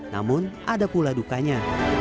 namun ada pula dukanya